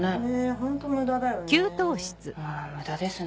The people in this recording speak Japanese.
ホント無駄だよね。